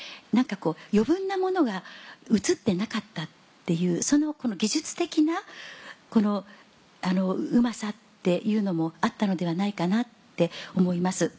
余分なものが映ってなかったっていう技術的なうまさっていうのもあったのではないかなって思います。